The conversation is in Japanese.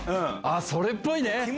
それっぽいね！